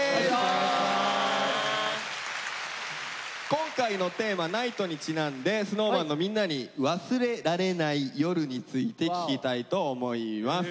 今回のテーマ「ＮＩＧＨＴ」にちなんでＳｎｏｗＭａｎのみんなに忘れられない夜について聞きたいと思います。